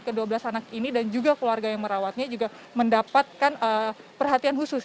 kedua belas anak ini dan juga keluarga yang merawatnya juga mendapatkan perhatian khusus